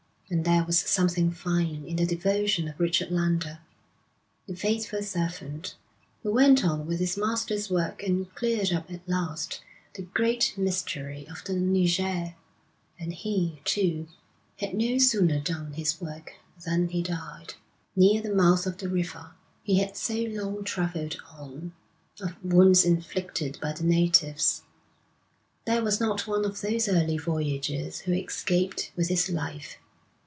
And there was something fine in the devotion of Richard Lander, the faithful servant, who went on with his master's work and cleared up at last the great mystery of the Niger. And he, too, had no sooner done his work than he died, near the mouth of the river he had so long travelled on, of wounds inflicted by the natives. There was not one of those early voyagers who escaped with his life.